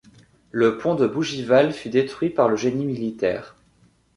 Le pont de Bougival fut détruit par le génie militaire.